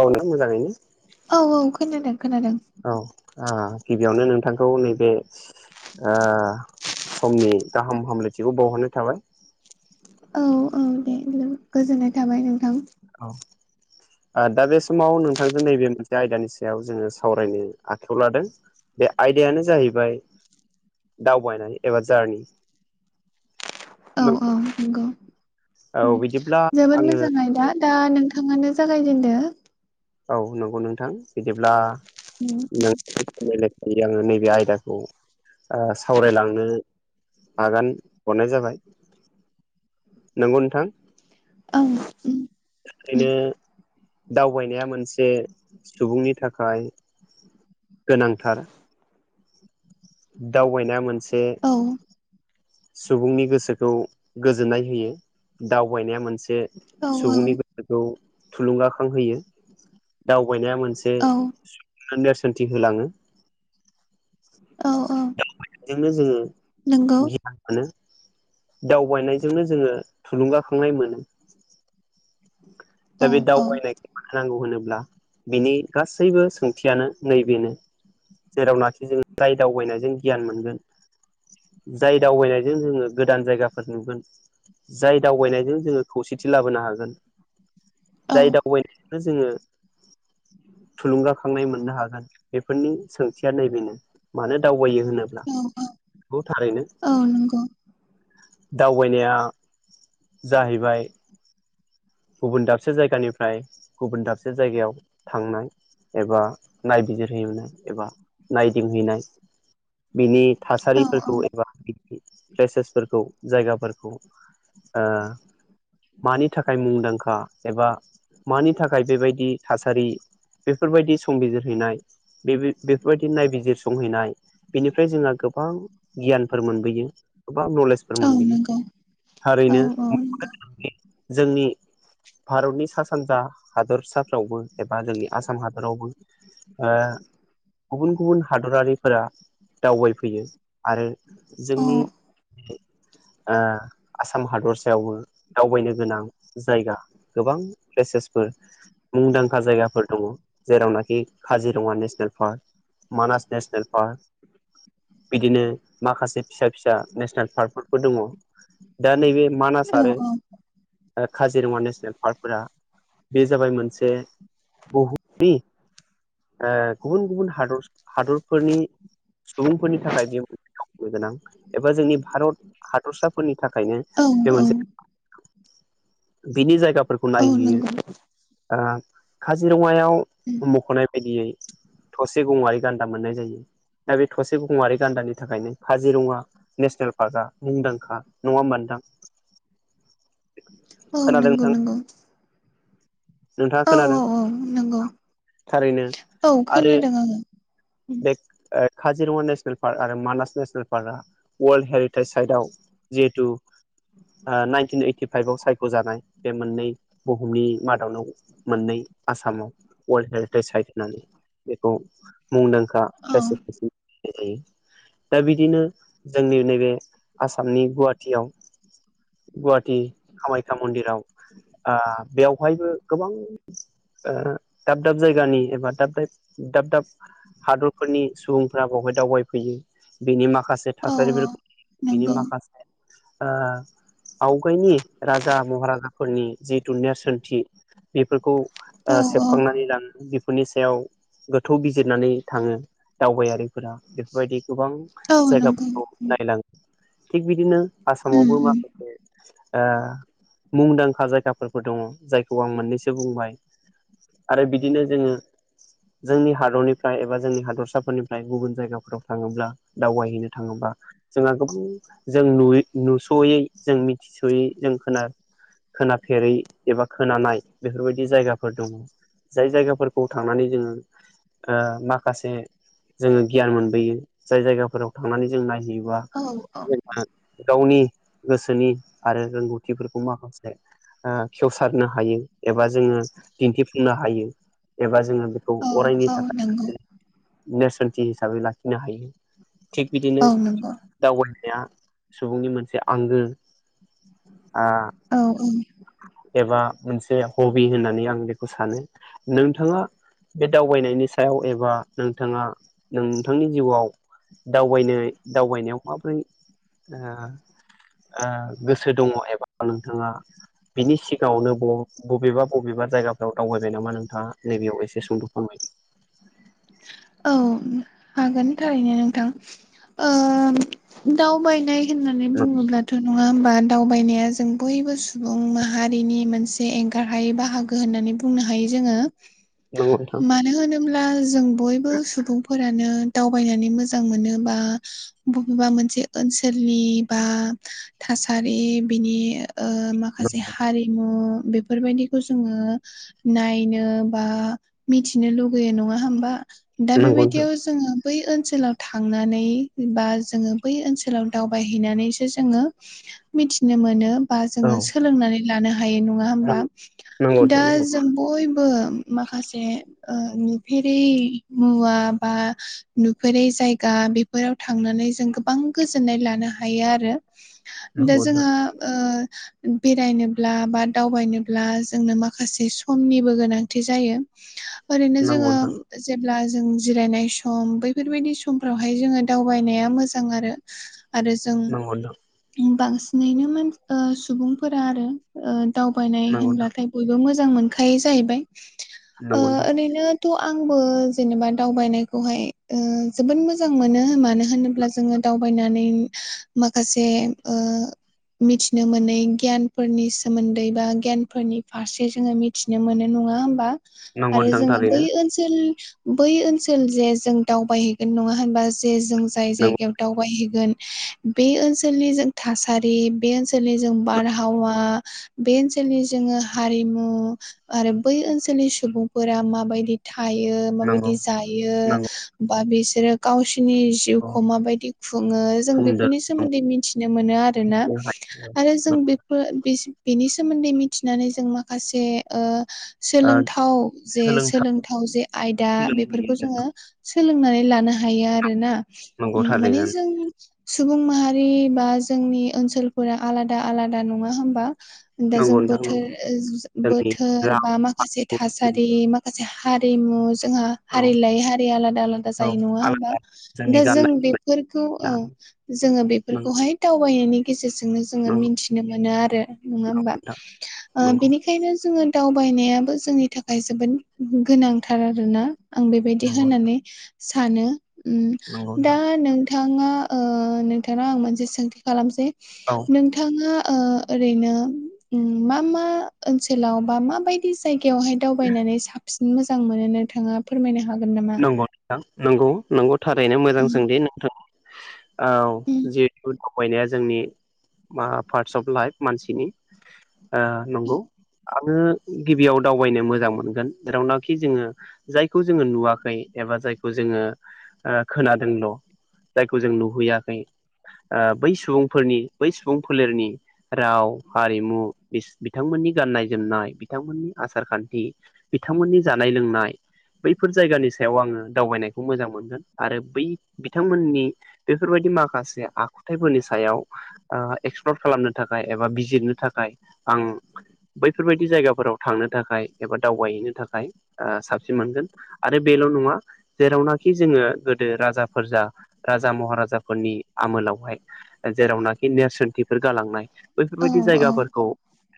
औ ना औ औ खोनादों खोनादों मोजाङैनो औ गिबियावनो नोंथांखौ नैबे समनि गाहाम हामलायथिखौ बावहरनाय थाबाय औ औ दे जबोद गोजोननाय थाबाय नोंथां औ दा बे समाव नोंथांजों नैबे मोनसे आयदानि सायाव जोङो सावरायनो आखायाव लादों बे आयदायानो जाहैबाय दावबायनाय एबा जारनि [unintelligible] नोंगौ औ बिदि जोबोद मोजाङै दा दा नोंथाङानो जागायजेनदो औ नंगौ नोंथां बिदिब्ला उ नों आङो नैबे आयदाखौ सावरायलांनो आगान हरनाय जाबाय नंगौ नोंथां औ बेायनो उम दावबायनाया मोनसे सुबुंनि थाखाय गोनांथार दावबायनाया मोनसे औ सुबुंनि गोसोखौ गोजोननाय होयो दावबायनाया मोनसे औ सुबुंनि खौ थुलुंगाखांहोयो दावबायनाया मोनसे औ नेरसोनथि होलाङो औ औ बेजोंनो जोङो नंगौ गियान मोन दावबायनायजोंनो जोङो थुलुंगाखांनाय मोनो दा औ बे औ दावबायनायखौ मांगौ होनोब्ला बिनि गासैबो सोंथियानो नैबेनो जेरावनाखि जोङो राय दावबायनायजों गियान मोनगोन जाय दावबायनायजों जोङो गोदान जायगाफोर नुगोन जाय दावबायनायजों जोङो खौसेथि लाबोनो हागोन औ जाय दावबायनायावनो जोङो थुलुंगाखांनाय मोननो हागोन बेफोरनि सोंथिया नैबेनो मानो दावबायो होनोब्ला औ औ बेखौ थारैनो औ नंगौ दावबायनाया जाहैबाय गुबुन दाबसे जायगानिफ्राय गुबुन दाबसे जायगायाव थांनाय एबा नायबिजिरहैनाय एबा नायदिंहैनाय बिनि औ औ थासारिफोरखौ एबा प्लेसेसफोरखौ जायगाफोरखौ मानि थाखाय थाखाय मुंदांखा एबा मानि थाखाय बेबायदि थासारि बेफोरबायदि संबिजिरहैनाय बे बेफोरबायदि नायबिजिर संहैनाय बेनिफ्राय जोंहा गोबां गियानफोर मोनबोयो गोबां नलेज फोर औ मोनयो नंगौ औ थारैनो औ नंगौ [inaudible] भारतनि सा सानजा हादरसाफ्रावबो एबा जोंनि आसाम हादरावबो ओ गुबुन गुबुन हादरारिफोरा दावबायफैयो आरो औ जोंनि ओ आसाम हादरसायावबो दावबायनो गोनां जायगा गोबां प्लेसेसफोर मुंदांखा जायगाफोर दङ' जेरावनाखि Kaziranga national park, Manas national park बिदिनो माखासे फिसा फिसा नेसनेल पार्कफोरबो दङ'। दा नैबे मानास आरो औ दा काजिरङा नेसनेल पार्कफोरा बे जाबाय मोनसे बुहुमनि ओ गुबुन गुबुन हादर हादरफोरनि सुबुंफोरनि थाखाय बे मोनसे मावनो गोनां एबा जोंनि भारत हादरसाफोरनि थाखायनो औ बे औ मोनसे बिनि जायगाफोरखौ नायहैयो। नंगौ ओ काजिरङायाव मख'नाय बायदियै थसे गङारि गान्दा मोननाय जायो। दा बे थसे गङारि गान्दानि थाखायनो काजिरङा नेसनेल पार्कआ मुंदांखा। नङा होमबा नोंथां? औ खोनादों नंगौ नोंथां नंगौ। नोंथाङा औ खोनादों औ औ नंगौ थारैनो औ आरो खोनादों आङो बेग ओ काजिरङा नेसनेल पार्क आरो मानास नेसनेल पार्कआ वर्ल्ड हेरिटेज साइटआव जिहेतु नाइनटिन ओइ टिफाइभआव सायख'जानाय बे मोननै बुहुमनि मादावनाव मोननै आसामाव वर्ल्ड हेरिटेज साइट होननानै बेखौ मुंदांखा औ फेसिटिसनि जेरै दा बिदिनो जोंनि नैबे आसामनि गुवाहाटीयाव गुवाहाटी कामाख्या मन्दिराव बेवहायबो गोबां ओ दाब दाब जायगानि एबा दाब दाइब दाब दाब हादरफोरनि सुबुंफ्रा बावहाय दावबायफैयो बेनि माखासे औ थासारिफोरखौ बिनि नंगौ माखासे ओ आवगाय राजा महाराजाफोरनि जिहेथु नेरसोनथि बेफोरखौ औ ओ औ सेबखांनानै लाङो। बेफोरनि सायाव गोथौ बिजिरनानै थाङो। दावबायारिफोरा बेफोरबायदि गोबां औ नंगौ उम जायगाफोराव नायलाङो थिग बिदिनो आसामावबो उम माखासे ओ मुंदांखा जायगाफोर दङ'। जायखौ आं मोननैसो बुंबाय आरो बिदिनो जोङो जोंनि हादरनिफ्राय एबा जोंनि हादरसाफोरनिफ्राय गुबुन जायगाफोराव थाङोब्ला दावबायहैनो थाङोबा जोंहा गोबां जों नुयै नुस'यै जों मिथिस स'यै जों खोना-खोनाफेरै एबा खोनानाय बेफोरबायदि जायगाफोर दङ'। जाय जायगाफोरखौ थांनानै जोङो ओ माखासे जोङो गियान मोनबोयो। जाय जायगाफोराव थांनानै जों नायहैयोबा औ औ [unintelligible] गावनि गोसोनि आरो रोंगौथिफोरखौ माखासे ओ खेवसारनो हायो एबा जोङो दिन्थिफुंनो हायो एबा जोङो बेखौ अरायनि औ औ नंगौ थाखाय नेरसोनथि हिसाबै लाखिनो हायो। थिग बिदिनो औ नंगौ दावबायनाया सुबुंनि मोनसे आंगो आ औ औ। एबा मोनसे हबि होननानै आं बेखौ सानो। नोंथाङा बे दावबायनायनि सायाव एबा नोंथाङा नोंथांनि जिउआव दावबायनो दावबायनायाव माब्रै ओ ओ गोसो दङ' एबा नोंथाङा बिनि सिगाङावनो ब-बबेबा बबेबा जायगाफ्राव दावबाय नामा नोंथाङा नैबेयाव एसे सुंद' फोरमायदो। औ हागोन थारैनो नोंथां। दाव बायनाय होननानै बुङोब्ला थ' नङा होमबा दावबायनाया जों बयबो सुबुं माहारिनि मोनसे एंगारहायै बाहागो। गो होननानै बुंनो हायो जोङो नंगौ नोंथां मानो होनोब्ला जों बयबो सुबुं फोरानो दावबायनानै मोजां मोनो बा बबेबा मोनसे ओनसोलनि बा थासारि बिनि माखासे हारिमु बेफोर बायदिखौ जोङो नायनो बा मिथिनो लुगैयो नङा होम बा दा नंगौ नोंथां बेबायदियाव जोङो बै ओनसोलाव थांनानै बा जोङो बै ओनसोलाव दावबाय हैनानैसो जोङो मिथिनो मोनो। बा औ जोङो सोलोंनानै लानो हायो नङा होमबा नंगौ दा नोंथां जों बयबो माखासे ओ नुफेरै मुवा बा नुफेरै जायगा बेफोराव थांनानै जों गोबां गोजोननाय लानो हायो आरो। दा नंगौ जोंहा ओ बेरायनोब्ला बा दावबायनोब्ला जोंनो माखासे समनिबो गोनांथि जायो। [inaudible] ओरैनो नंगौ जोङो नोंथां जेब्ला जों जिरायनाय सम बैफोर बायदि समफ्रावहाय जोङो दावबायनाया मोजां आरो। आरो जों नंगौ नोंथां बांसिनैनो मान ओ सुबुंफोरा आरो दावबायनाय नंगौ होनब्लाथाय बयबो मोजां मोनखायो जाहैबाय ओ नोंथां ओरैनो आंबो जेनेबा दावबायनायखौ हाय ओ जोबोद मोजां मोनो मानो होनोब्ला जोङो दावबायनानै माखासे ओ मिथिनो मोनै गियान फोरनि सोमोन्दै बा गियान फोरनि फारसे जोङो मि थिनो मोनो नङा होमबा नंगौ आरो नोंथां नंगौ नोंथां नंगौ नोंथां जोङो बै थारैनो ओनसोल सोल बै ओनसोल जे जों दावबायहैगोन नङा होनबा? जे जों जाय नंगौ जायगायाव दावबायहैगोन बे ओनसोलनि जों थासारि बे ओनसोलनि जों बारहावा बे ओनसोलनि जोङो हारिमु आरो बै ओनसोलनि सुबुंफोरा माबायदि थायो नंगौ माबायदि जायो नंगौ बा बिसोरो गावसिनि औ जिउखौ माबायदि खुङो जों बुंदो बेफोरनि सोमोन्दै मिथिनो मोनो आरोना। आरो जों बेफोर बिस बेनि सोमोन्दै मिथिनानै जों माखासे ओ सोलोंथाव जे सोलोंथाइ सोलों जे आयदा बेफोरखौ जोङो सोलोंनानै लानो हायो आरोना। नंगौ उम माने थारैनो जों सुबुं माहारि बा जोंनि ओनसोल फोरा आलादा आलादा नङा होमबा? दा नंगौ जों नोंथां बोथोर नंगौ ओ जो जोंनि बोथोर राव बा माखासे थासारि मा माखासे हारिमु जोंहा औ हारि लायै हारि आलादा आलादा औ जायो नङा होमबा आलादा दा जोंनि जों गाननाय बे फोर खौ जोमनाय जोङो नंगौ बेफोरखौहाय दावबायनायनि गेजेरजोंनो जोङो नंगौ मिथिनो मोनो आरो नङा होमबा? नोंथां नंगौ बेखायनो जोङो दावबायनायाबो जोंनि थाखाय जोबोद गोनांथार आरोना। आं बेबायदि नंगौ नोंथां होननानै सानो उम नंगौ नोंथां दा नों थाङा ओ नोंथांनाव आं मोनसे सोंथि खालामसै औ नोंथां थाङा ओ ओरैनो मा मा ओनसोलाव बा माबाय दि जायगायावहाय दावबायनानै साबसिन मोजां मोनो नोंथाङा फोरमायनो हागोन नामा? नंगौ नोंथां नंगौ नंगौ थारैनो मोजां उम सोंथि नोंथां औ उम जिहेतु दावबायनाया जोंनि मा पार्स अफ लाइफ मानसिनि ओ नंगौ। आङो गिबियाव दावबायनो मोजां मोनगोन जेरावनाखि जोङो जायखौ जोङो नुवाखै। एबा जायखौ जोङो खोनादोंल' जायखौ जों नुहैयाखै बै सुबुंफोरनि बै सुबुं फोलेरनि राव हारिमु बिथांमोननि गाननाय-जोमनाय बिथांमोननि आसार खान्थि बिथांमोननि जानाय लोंनाय बैफोर जायगानि सायाव सायाव आङो दावबायनायखौ मोजां। मोनगोन आरो बै बिथांमोननि बेफोरबायदि माखासे आखुथायफोरनि सायाव एक्सप्लर खालामनो थाखाय एबा बिजिरनो थाखाय आं बैफोरबायदि जायगाफोराव थांनो थाखाय एबा दावबायहैनो थाखाय साबसिन मोनगोन। आरो बेल' नङा जेरावनाखि जोङो गोदो राजाफोर जा राजा महाराजाफोरनि आमोलावहाय जेरावनाखि नेरसोनथिफोर गालांनाय औ बैफोरबायदि औ जायगाफोरखौ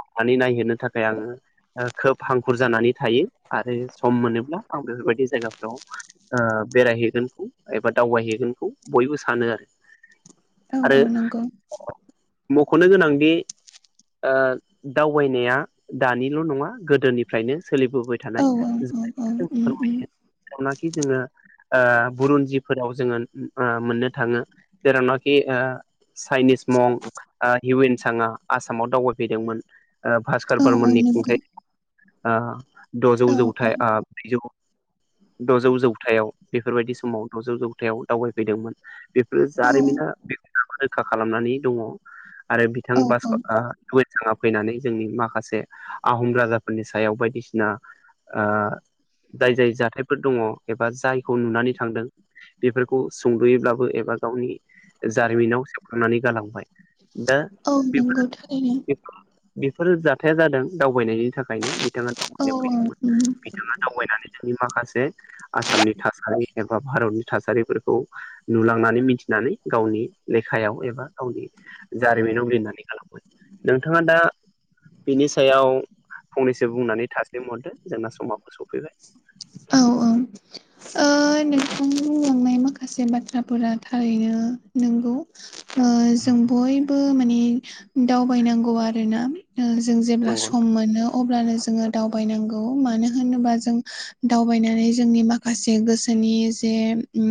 सनानै नायहोनो थाखाय आङो खोब हांखुर जानानै थायो आरो सम मोनोब्ला आं बेफोरबायदि जायगाफोराव बेरायहैगोनखौ एबा दावबायहैगोनखौ बयबो सानो आरो। औ आरो औ नंगौ मख'नो गोनांदि दावबायनाया दानिल' नङा गोदोनिफ्रायनो सोलिबोबाय औ थानायखौ औ जोङो उम फोरमायो उम जाय नाखि जोंङो बुरन्जिफोराव जोङो मोननो थाङो जेरावनाखि ओ चाइनिस मं हिउ एन साङआ आसामाव दावबायफैदोंमोन। भास्कर औ औ ब्मननि नंगौ खुंथाय द'जौ औ जौथाइ ब्रैजौ द'जौ जौथायाव बेफोरबायदि समाव द'जौ जौथायाव दावबायफैदोंमोन। बेफोरो औ जारिमिना बेखौबा रोखा खालामनानै दङ आरो बिथां औ बास औ हिउएनसांङा फैनानै जोंनि माखासे आहम राजाफोरनि सायाव बायदिसिना ओ जाय जाय जाथायफोर दङ एबा जायखौ नुनानै थांदों बेफोरखौ सुंद'योब्लाबो एबा गावनि जारिमिनाव सेबखांनानै गालांबाय। दा औ नंगौ थारैनो [unintelligible] बेफोर जाथाया जादों दावबायनायनि थाखायनो बिथाङा औ औ नि माखासे आसामनि थासारि एबा भारतनि थासारिफोरखौ नुलांनानै मिथिनानै गावनि लेखायाव एबा गावनि जारिमिनाव लिरनानै गालाङो नोंथाङा दा बिनि सायाव फंनैसो बुंनानै थासलि महरदो जोंना समाखौ सफैबाय। औ औ ओ नोंथां बुंलांनाय माखासे बाथ्राफोरा थारैनो नंगौ जों बय माने दावबायनांगौ आरोना जों जेब्ला नंगौ सम मोनो अब्लानो जोङो दावबायनांगौ मानो होनोबा जों दावबायनानै जोंनि माखासे माखासे गोसोनि जे ओ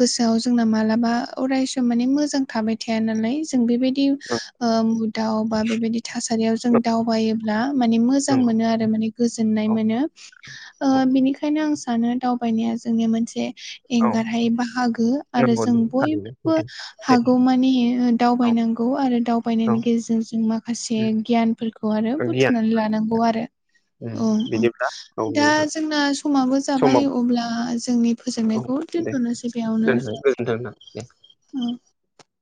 गोसोआव जोंना मालाबा अरायस माने मोजां थाबाय थाया नालाय जों बेबायदि बुदाव बा बेबायदि थासारियाव जों दावबायोब्ला माने मोजां नंगौ मोनो आरो माने गोजोननाय औ मोनो औ बेनिखायनो आं सानो दाउ दावबायनाया जोंनि मोनसे औ एंगार बाहागो आरो नंगौ जों थारैनो बयबो सैथो सैथो हागौ मानि औ दावबायनांगौ आरो औ आायनायनि गेजेरजों जों माखासे गियानफोरखौ आरो गियान बुथुमनानै लानांगौ आरो। औ औ बिदिब्ला औ दा नोंथां जोंना समाबो जाबाय समाव अब्ला जोंनि औ फोजोबनायखौ दे दोनथ'नोसै बेयावनो गोजोनथों दे। औ